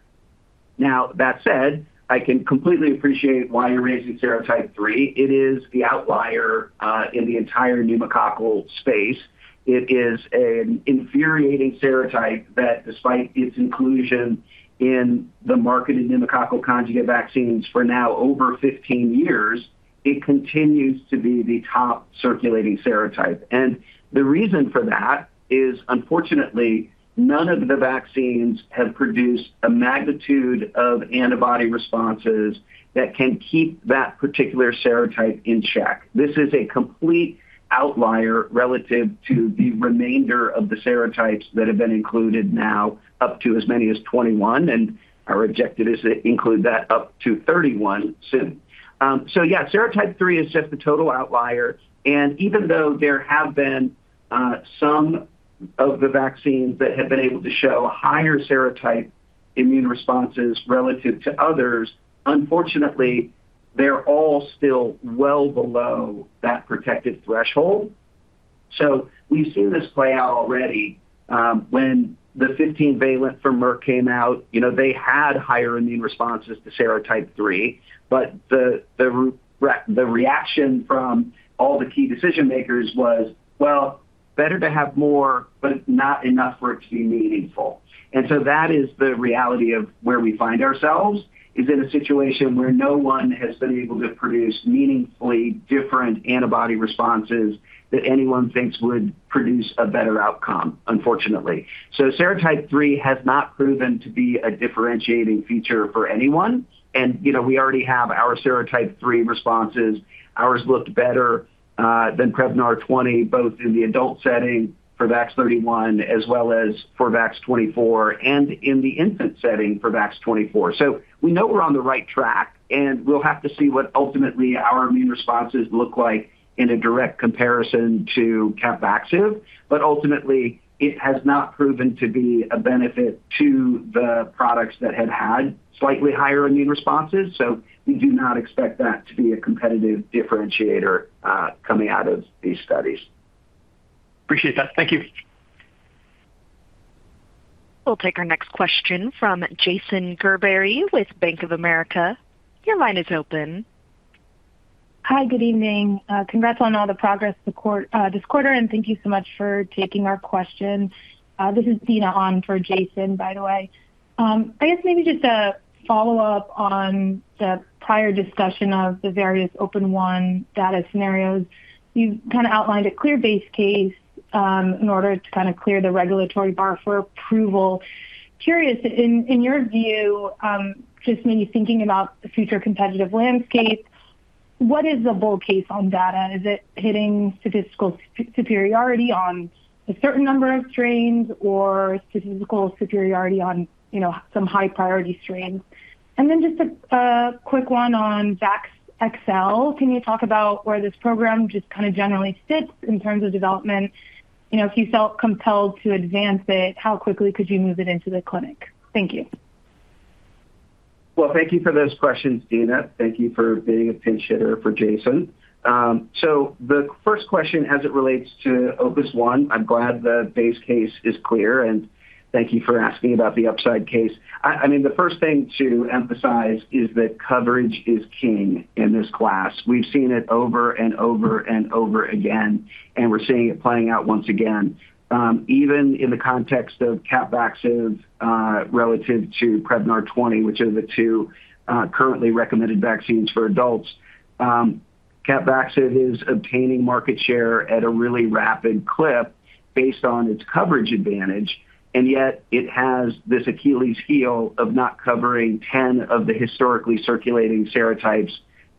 Now, that said, I can completely appreciate why you're raising serotype 3. It is the outlier in the entire pneumococcal space. It is an infuriating serotype that despite its inclusion in the marketed pneumococcal conjugate vaccines for now over 15 years, it continues to be the top circulating serotype. The reason for that is unfortunately, none of the vaccines have produced a magnitude of antibody responses that can keep that particular serotype in check. This is a complete outlier relative to the remainder of the serotypes that have been included now, up to as many as 21, and our objective is to include that up to 31 soon. Yeah, serotype 3 is just the total outlier, and even though there have been some of the vaccines that have been able to show higher serotype immune responses relative to others, unfortunately, they're all still well below that protective threshold. We've seen this play out already, when the 15-valent from Merck came out, you know, they had higher immune responses to serotype 3, but the reaction from all the key decision makers was, well, better to have more, but it's not enough for it to be meaningful. That is the reality of where we find ourselves, is in a situation where no one has been able to produce meaningfully different antibody responses that anyone thinks would produce a better outcome, unfortunately. Serotype 3 has not proven to be a differentiating feature for anyone, and, you know, we already have our serotype 3 responses. Ours looked better than Prevnar 20, both in the adult setting for VAX-31 as well as for VAX-24, and in the infant setting for VAX-24. We know we're on the right track, and we'll have to see what ultimately our immune responses look like in a direct comparison to Capvaxive, but ultimately it has not proven to be a benefit to the products that have had slightly higher immune responses. We do not expect that to be a competitive differentiator coming out of these studies. Appreciate that. Thank you. We'll take our next question from Jason Gerberry with Bank of America. Your line is open. Hi, good evening. Congrats on all the progress this quarter, and thank you so much for taking our question. This is Dina on for Jason, by the way. I guess maybe just a follow-up on the prior discussion of the various OPUS-1 data scenarios. You've kind of outlined a clear base case, in order to kind of clear the regulatory bar for approval. Curious, in your view, just when you're thinking about the future competitive landscape, what is the bull case on data? Is it hitting statistical superiority on a certain number of strains or statistical superiority on, you know, some high-priority strains? Just a quick one on VAX-XL. Can you talk about where this program just kind of generally sits in terms of development? You know, if you felt compelled to advance it, how quickly could you move it into the clinic? Thank you. Well, thank you for those questions, Dina. Thank you for being a pinch hitter for Jason. The first question as it relates to OPUS-1, I'm glad the base case is clear, and thank you for asking about the upside case. I mean, the first thing to emphasize is that coverage is king in this class. We've seen it over and over and over again, and we're seeing it playing out once again. Even in the context of Capvaxive, relative to Prevnar 20, which are the two currently recommended vaccines for adults, Capvaxive is obtaining market share at a really rapid clip based on its coverage advantage, and yet it has this Achilles heel of not covering 10 of the historically circulating serotypes,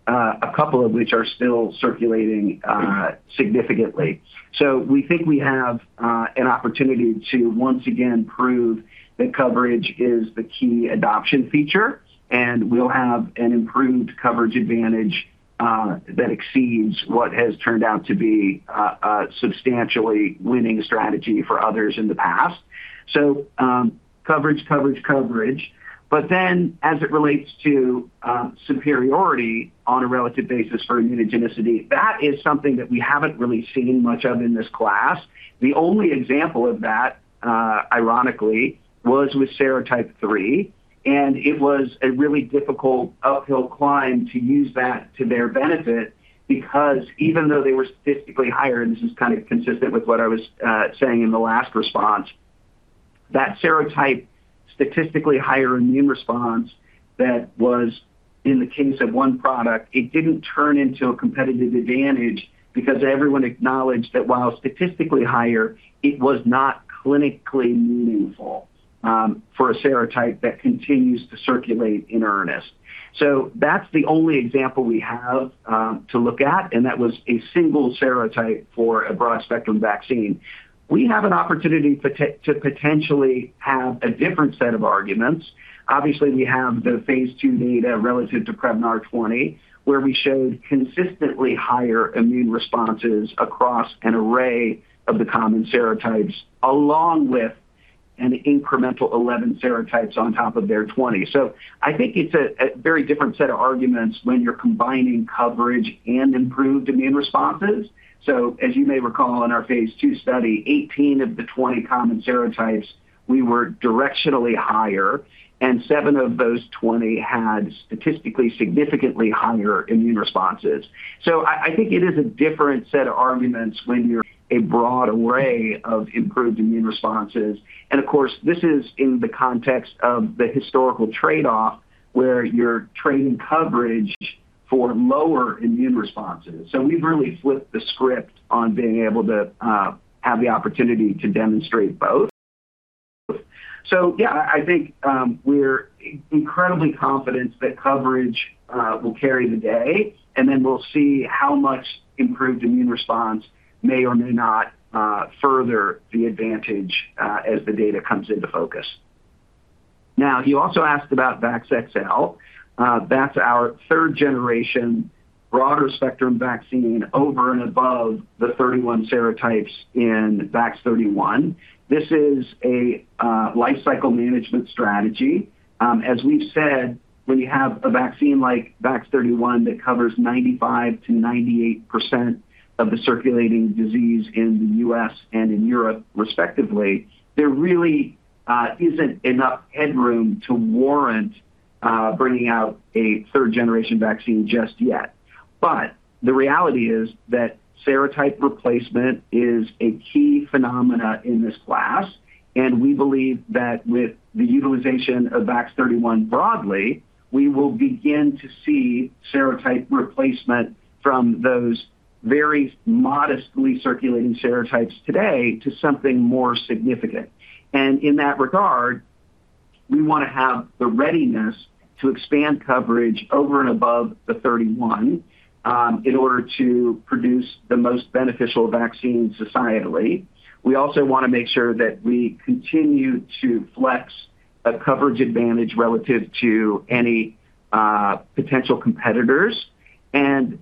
a couple of which are still circulating, significantly. We think we have an opportunity to once again prove that coverage is the key adoption feature, and we'll have an improved coverage advantage that exceeds what has turned out to be a substantially winning strategy for others in the past. Coverage, coverage. As it relates to superiority on a relative basis for immunogenicity, that is something that we haven't really seen much of in this class. The only example of that ironically-... was with serotype 3, and it was a really difficult uphill climb to use that to their benefit because even though they were statistically higher, and this is kind of consistent with what I was saying in the last response, that serotype statistically higher immune response that was in the case of 1 product, it didn't turn into a competitive advantage because everyone acknowledged that while statistically higher, it was not clinically meaningful for a serotype that continues to circulate in earnest. That's the only example we have to look at, and that was a single serotype for a broad-spectrum vaccine. We have an opportunity to potentially have a different set of arguments. Obviously, we have the phase II data relative to Prevnar 20, where we showed consistently higher immune responses across an array of the common serotypes, along with an incremental 11 serotypes on top of their 20. I think it's a very different set of arguments when you're combining coverage and improved immune responses. As you may recall, in our phase II study, 18 of the 20 common serotypes, we were directionally higher, and seven of those 20 had statistically significantly higher immune responses. I think it is a different set of arguments when you're a broad array of improved immune responses. Of course, this is in the context of the historical trade-off, where you're trading coverage for lower immune responses. We've really flipped the script on being able to have the opportunity to demonstrate both. Yeah, I think, we're incredibly confident that coverage will carry the day, and then we'll see how much improved immune response may or may not further the advantage as the data comes into focus. Now, you also asked about VAX-XL. That's our third-generation broader spectrum vaccine over and above the 31 serotypes in VAX-31. This is a life cycle management strategy. As we've said, when you have a vaccine like VAX-31 that covers 95%-98% of the circulating disease in the U.S. and in Europe, respectively, there really isn't enough headroom to warrant bringing out a third-generation vaccine just yet. The reality is that serotype replacement is a key phenomena in this class, and we believe that with the utilization of VAX-31 broadly, we will begin to see serotype replacement from those very modestly circulating serotypes today to something more significant. In that regard, we want to have the readiness to expand coverage over and above the 31, in order to produce the most beneficial vaccine societally. We also want to make sure that we continue to flex a coverage advantage relative to any potential competitors. Yet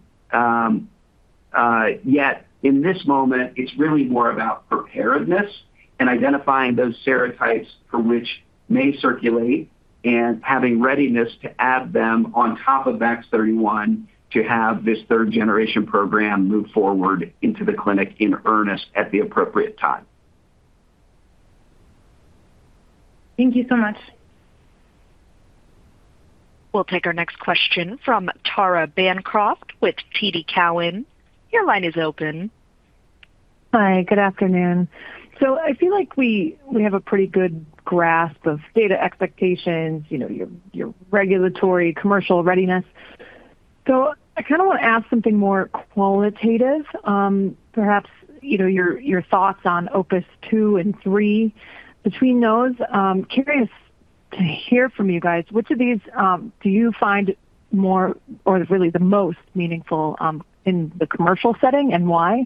in this moment, it's really more about preparedness and identifying those serotypes for which may circulate and having readiness to add them on top of VAX-31 to have this third-generation program move forward into the clinic in earnest at the appropriate time. Thank you so much. We'll take our next question from Tara Bancroft with TD Cowen. Your line is open. Hi, good afternoon. I feel like we have a pretty good grasp of data expectations, you know, your regulatory commercial readiness. I kinda wanna ask something more qualitative, perhaps, you know, your thoughts on OPUS-2 and OPUS-3. Between those, I'm curious to hear from you guys, which of these do you find more or really the most meaningful in the commercial setting, and why?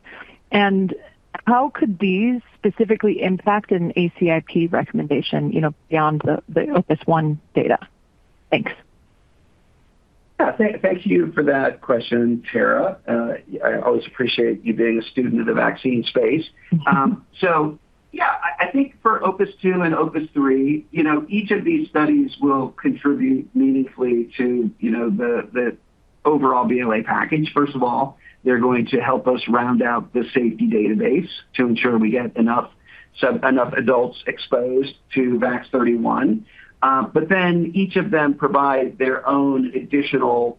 How could these specifically impact an ACIP recommendation, you know, beyond the OPUS-1 data? Thanks. Yeah. Thank you for that question, Tara. I always appreciate you being a student of the vaccine space. I think for OPUS-2 and OPUS-3, you know, each of these studies will contribute meaningfully to, you know, the overall BLA package. First of all, they're going to help us round out the safety database to ensure we get enough adults exposed to VAX-31. Each of them provide their own additional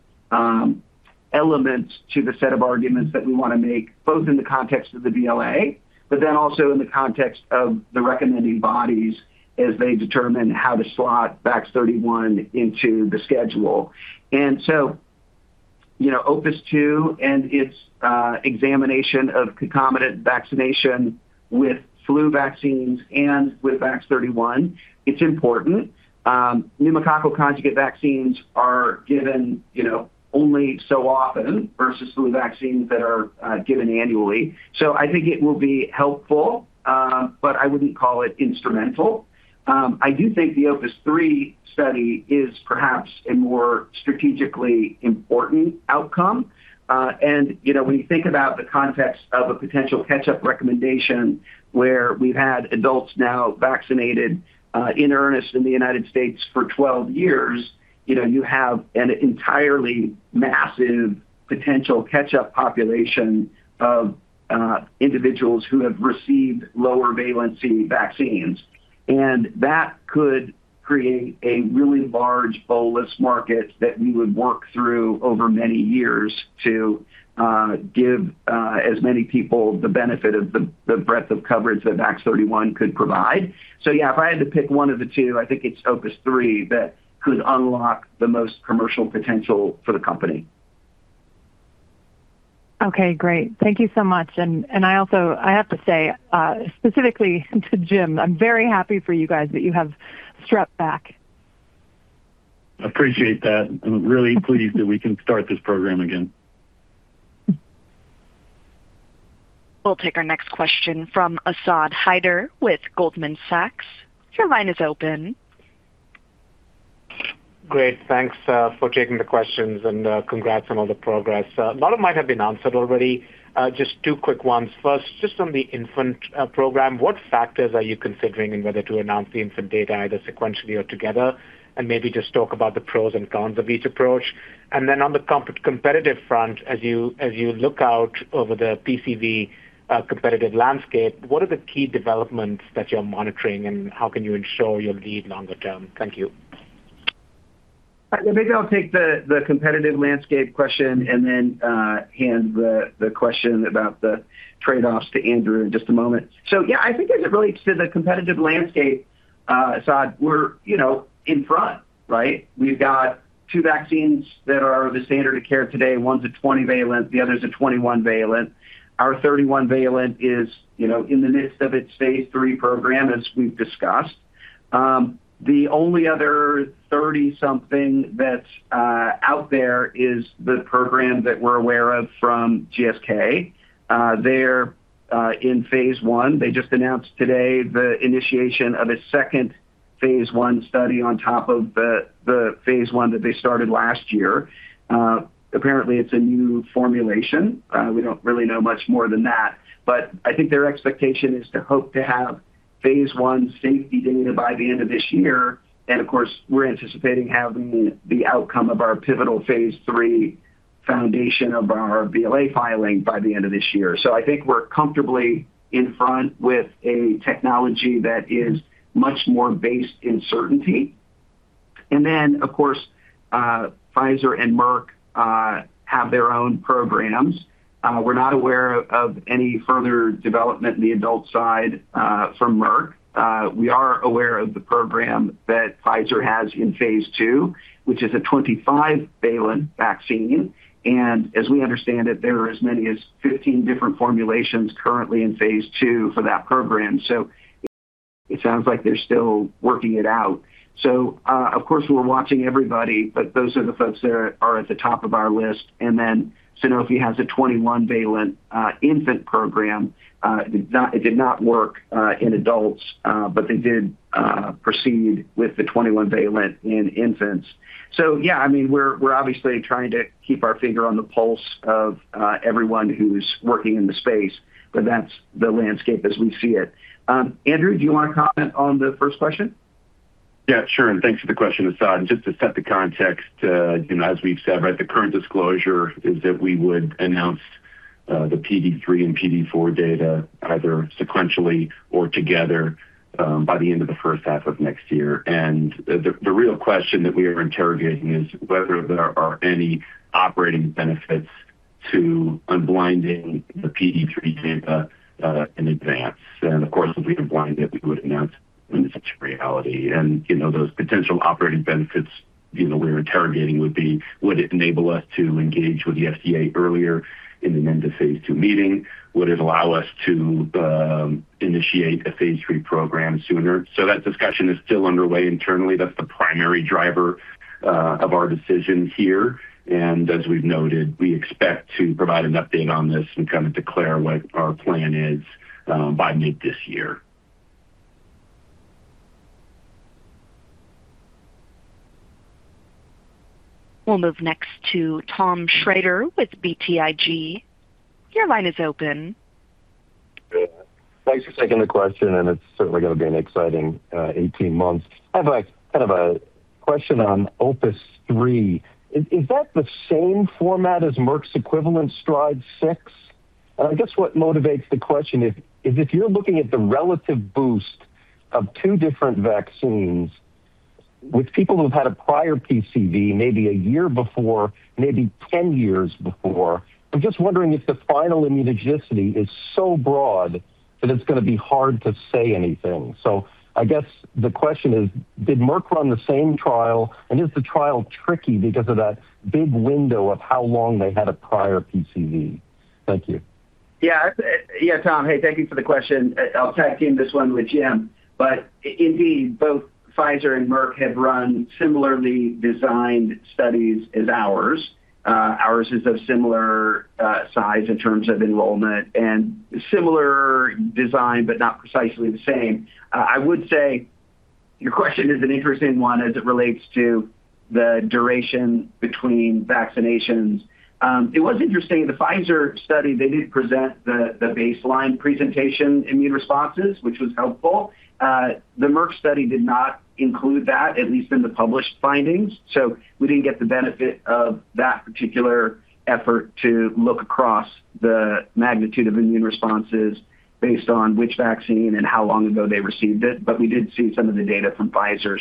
elements to the set of arguments that we want to make, both in the context of the BLA, also in the context of the recommending bodies as they determine how to slot VAX-31 into the schedule. You know, OPUS-2 and its examination of concomitant vaccination with flu vaccines and with VAX-31, it's important. Pneumococcal conjugate vaccines are given, you know, only so often versus flu vaccines that are given annually. I think it will be helpful, but I wouldn't call it instrumental. I do think the OPUS-3 study is perhaps a more strategically important outcome. You know, when you think about the context of a potential catch-up recommendation, where we've had adults now vaccinated in earnest in the United States for 12 years, you know, you have an entirely massive potential catch-up population of individuals who have received lower valency vaccines. That could create a really large bolus market that we would work through over many years to give as many people the benefit of the breadth of coverage that VAX-31 could provide. Yeah, if I had to pick one of the two, I think it's OPUS-3 that could unlock the most commercial potential for the company. Okay, great. Thank you so much. I also, I have to say, specifically to Jim, I'm very happy for you guys that you have Strep back. Appreciate that. I'm really pleased that we can start this program again. We'll take our next question from Asad Haider with Goldman Sachs. Your line is open. Great, thanks for taking the questions, congrats on all the progress. A lot of might have been answered already, just two quick ones. First, just on the infant program, what factors are you considering in whether to announce the infant data either sequentially or together? Maybe just talk about the pros and cons of each approach. On the competitive front, as you look out over the PCV competitive landscape, what are the key developments that you're monitoring, and how can you ensure your lead longer term? Thank you. Maybe I'll take the competitive landscape question and then hand the question about the trade-offs to Andrew in just a moment. Yeah, I think as it relates to the competitive landscape, Asad, we're, you know, in front, right? We've got two vaccines that are the standard of care today. One's a 20-valent, the other's a 21-valent. Our 31-valent is, you know, in the midst of its phase III program, as we've discussed. The only other 30-something that's out there is the program that we're aware of from GSK. They're in phase 1. They just announced today the initiation of a second phase 1 study on top of the phase 1 that they started last year. Apparently, it's a new formulation. We don't really know much more than that, I think their expectation is to hope to have phase 1 safety data by the end of this year. Of course, we're anticipating having the outcome of our pivotal phase III foundation of our BLA filing by the end of this year. I think we're comfortably in front with a technology that is much more based in certainty. Of course, Pfizer and Merck have their own programs. We're not aware of any further development in the adult side from Merck. We are aware of the program that Pfizer has in phase II, which is a 25-valent vaccine, and as we understand it, there are as many as 15 different formulations currently in phase II for that program. It sounds like they're still working it out. Of course, we're watching everybody, but those are the folks that are at the top of our list. Sanofi has a 21-valent infant program. It did not work in adults, but they did proceed with the 21-valent in infants. Yeah, I mean, we're obviously trying to keep our finger on the pulse of everyone who's working in the space, but that's the landscape as we see it. Andrew, do you want to comment on the first question? Yeah, sure, thanks for the question, Asad. Just to set the context, you know, as we've said, right, the current disclosure is that we would announce the PD three and PD four data either sequentially or together by the end of the first half of next year. The real question that we are interrogating is whether there are any operating benefits to unblinding the PD three data in advance. Of course, if we can blind it, we would announce when it's a reality. You know, those potential operating benefits, you know, we're interrogating would be, would it enable us to engage with the FDA earlier in an end-of-phase II meeting? Would it allow us to initiate a phase III program sooner? That discussion is still underway internally. That's the primary driver of our decision here. As we've noted, we expect to provide an update on this and kind of declare what our plan is by mid this year. We'll move next to Thomas Schrader with BTIG. Your line is open. Thanks for taking the question. It's certainly going to be an exciting, 18 months. I have a kind of a question on OPUS-3. Is that the same format as Merck's equivalent STRIDE-6? I guess what motivates the question is if you're looking at the relative boost of two different vaccines with people who've had a prior PCV, maybe 1 year before, maybe 10 years before, I'm just wondering if the final immunogenicity is so broad that it's going to be hard to say anything. I guess the question is, did Merck run the same trial, and is the trial tricky because of that big window of how long they had a prior PCV? Thank you. Yeah. Yeah, Tom. Hey, thank you for the question. I'll tack in this one with Jim, indeed, both Pfizer and Merck have run similarly designed studies as ours. ours is of similar size in terms of enrollment and similar design, but not precisely the same. I would say your question is an interesting one as it relates to the duration between vaccinations. It was interesting, the Pfizer study, they did present the baseline presentation immune responses, which was helpful. The Merck study did not include that, at least in the published findings, we didn't get the benefit of that particular effort to look across the magnitude of immune responses based on which vaccine and how long ago they received it, but we did see some of the data from Pfizer.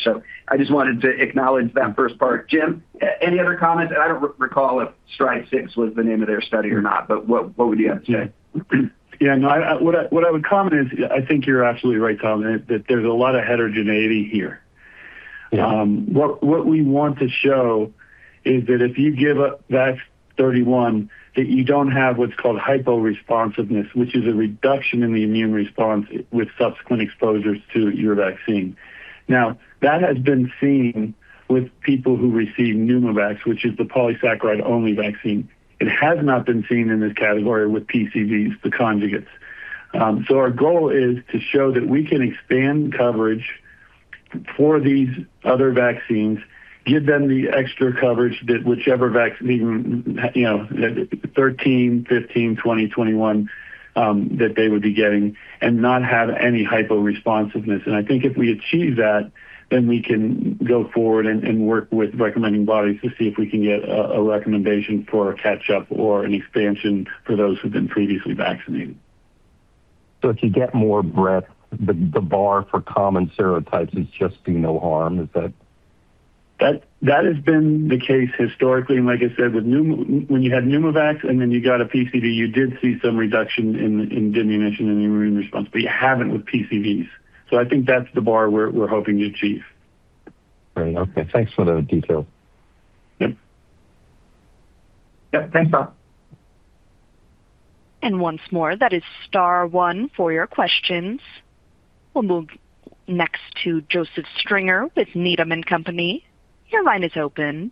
I just wanted to acknowledge that first part. Jim, any other comments? I don't recall if STRIDE-6 was the name of their study or not. What would you add today? Yeah. No, I, what I would comment is I think you're absolutely right, Tom, that there's a lot of heterogeneity here. ... what we want to show is that if you give up VAX-31, that you don't have what's called hyporesponsiveness, which is a reduction in the immune response with subsequent exposures to your vaccine. Now, that has been seen with people who receive Pneumovax, which is the polysaccharide-only vaccine. It has not been seen in this category with PCVs, the conjugates. Our goal is to show that we can expand coverage for these other vaccines, give them the extra coverage that whichever vaccine, you know, 13, 15, 20, 21, that they would be getting and not have any hyporesponsiveness. I think if we achieve that, then we can go forward and work with recommending bodies to see if we can get a recommendation for a catch-up or an expansion for those who've been previously vaccinated. To get more breadth, the bar for common serotypes is just do no harm. Is that? That has been the case historically, and like I said, when you had Pneumovax and then you got a PCV, you did see some reduction in diminution immune response, but you haven't with PCVs. I think that's the bar we're hoping to achieve. Great. Okay, thanks for the detail. Yep. Yep, thanks, Bob. Once more, that is star one for your questions. We'll move next to Joseph Stringer with Needham & Company. Your line is open.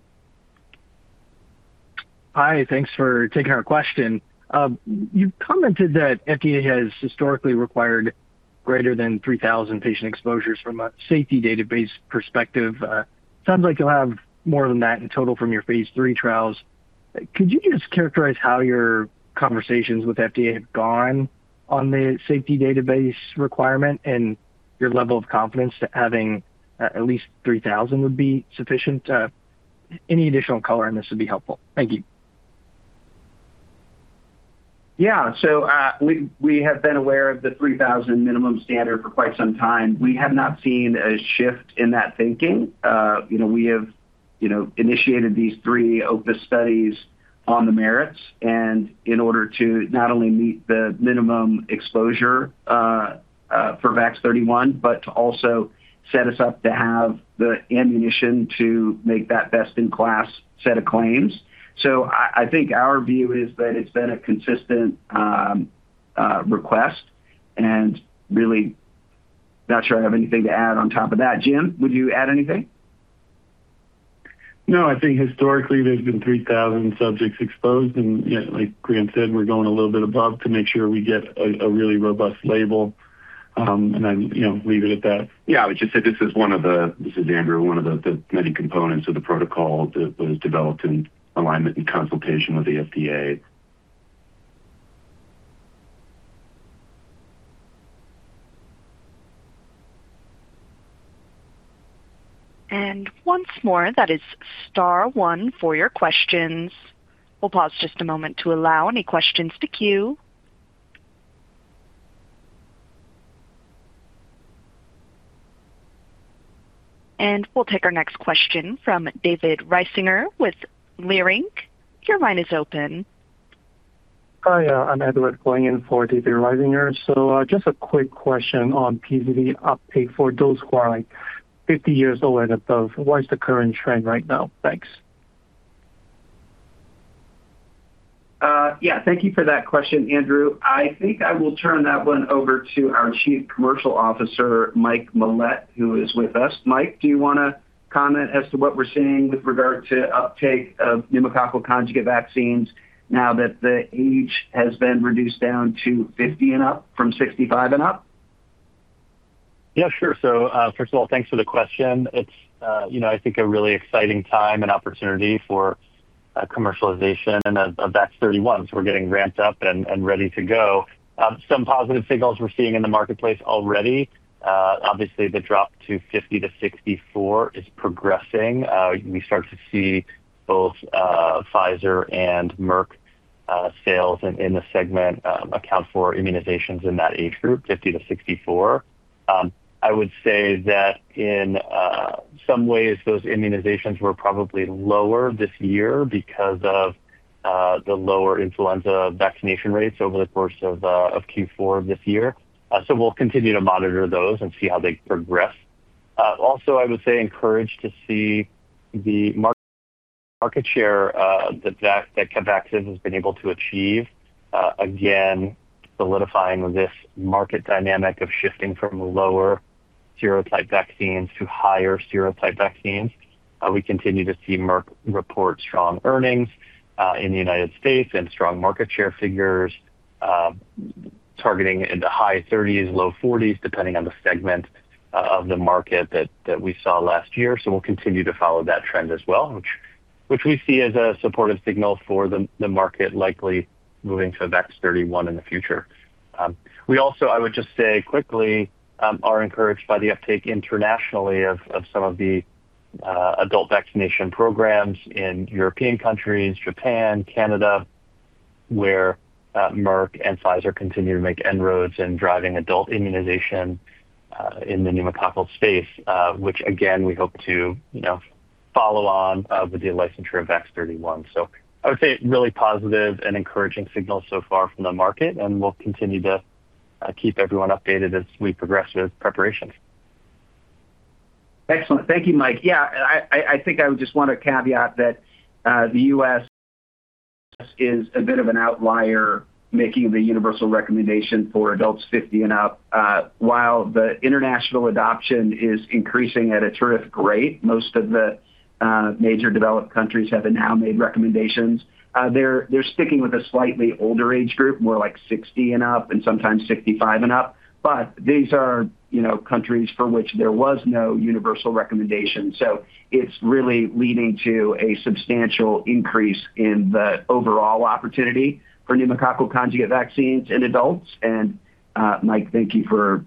Hi, thanks for taking our question. You commented that FDA has historically required greater than 3,000 patient exposures from a safety database perspective. Sounds like you'll have more than that in total from your phase III trials. Could you just characterize how your conversations with FDA have gone on the safety database requirement and your level of confidence to having at least 3,000 would be sufficient? Any additional color in this would be helpful. Thank you. Yeah. we have been aware of the 3,000 minimum standard for quite some time. We have not seen a shift in that thinking. you know, we have, you know, initiated these 3 OPUS studies on the merits and in order to not only meet the minimum exposure for VAX-31, but to also set us up to have the ammunition to make that best-in-class set of claims. I think our view is that it's been a consistent request, and really not sure I have anything to add on top of that. Jim, would you add anything? No, I think historically there's been 3,000 subjects exposed, and yet, like Grant said, we're going a little bit above to make sure we get a really robust label, and then, you know, leave it at that. I would just say this is Andrew, one of the many components of the protocol that was developed in alignment and consultation with the FDA. Once more, that is star one for your questions. We'll pause just a moment to allow any questions to queue. We'll take our next question from David Risinger with Leerink. Your line is open. Hi, I'm Edward, calling in for David Risinger. Just a quick question on PCV uptake for those who are, like, 50 years old and above. What is the current trend right now? Thanks. Yeah, thank you for that question, Andrew. I think I will turn that one over to our Chief Commercial Officer, Mike Miletich, who is with us. Mike, do you want to comment as to what we're seeing with regard to uptake of pneumococcal conjugate vaccines now that the age has been reduced down to 50 and up from 65 and up? Yeah, sure. First of all, thanks for the question. It's, you know, I think a really exciting time and opportunity for commercialization of VAX-31. We're getting ramped up and ready to go. Some positive signals we're seeing in the marketplace already. Obviously, the drop to 50-64 is progressing. We start to see both Pfizer and Merck sales in the segment account for immunizations in that age group, 50-64. I would say that in some ways those immunizations were probably lower this year because of the lower influenza vaccination rates over the course of Q4 of this year. We'll continue to monitor those and see how they progress. Also, I would say encouraged to see the mark-market share that Capvaxive has been able to achieve, again, solidifying this market dynamic of shifting from lower serotype vaccines to higher serotype vaccines. We continue to see Merck report strong earnings in the United States and strong market share figures, targeting in the high 30s, low 40s, depending on the segment of the market that we saw last year. We'll continue to follow that trend as well, which we see as a supportive signal for the market likely moving to VAX-31 in the future. We also, I would just say quickly, are encouraged by the uptake internationally of some of the adult vaccination programs in European countries, Japan, Canada, where Merck and Pfizer continue to make inroads in driving adult immunization in the pneumococcal space, which again, we hope to, you know, follow on with the licensure of VAX-31. I would say really positive and encouraging signals so far from the market, and we'll continue to keep everyone updated as we progress with preparations. Excellent. Thank you, Mike. I think I would just want to caveat that the U.S. is a bit of an outlier, making the universal recommendation for adults 50 and up. While the international adoption is increasing at a terrific rate, most of the major developed countries have now made recommendations. They're sticking with a slightly older age group, more like 60 and up and sometimes 65 and up. These are, you know, countries for which there was no universal recommendation. It's really leading to a substantial increase in the overall opportunity for pneumococcal conjugate vaccines in adults. Mike, thank you for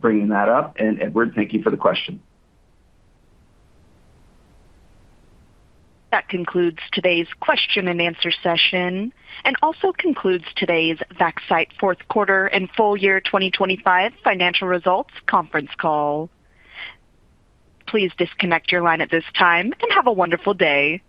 bringing that up. Edward, thank you for the question. That concludes today's question and answer session and also concludes today's Vaxcyte fourth quarter and full year 2025 financial results conference call. Please disconnect your line at this time and have a wonderful day.